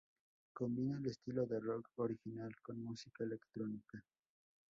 Combina el estilo de rock original con música electrónica.